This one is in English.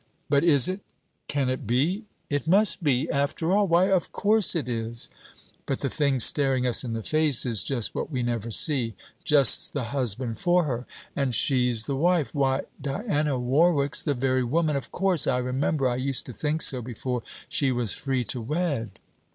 'But is it?... can it be? it must be, after all!... why, of course it is! But the thing staring us in the face is just what we never see. Just the husband for her! and she's the wife! Why, Diana Warwick 's the very woman, of course! I remember I used to think so before she was free to wed.'